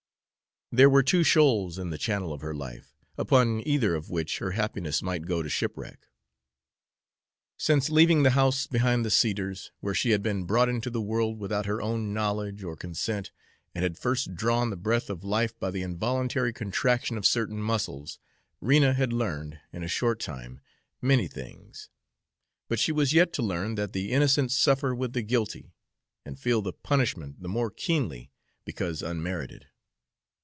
There were two shoals in the channel of her life, upon either of which her happiness might go to shipwreck. Since leaving the house behind the cedars, where she had been brought into the world without her own knowledge or consent, and had first drawn the breath of life by the involuntary contraction of certain muscles, Rena had learned, in a short time, many things; but she was yet to learn that the innocent suffer with the guilty, and feel the punishment the more keenly because unmerited.